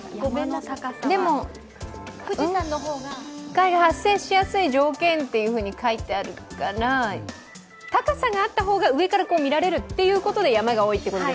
でも、雲海が発生しやすい条件って書いてあるから高さがあった方が上から見られるということで山が多いと？